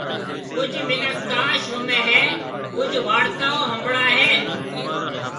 ڪجھ مِنک تاش رُميَ ھيََََ، ڪجھ وارتائون ھنڀڙائيَ ھيََََ